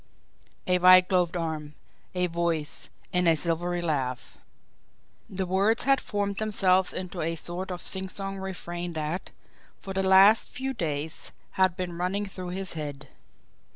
A white gloved arm, a voice, and a silvery laugh! The words had formed themselves into a sort of singsong refrain that, for the last few days, had been running through his head.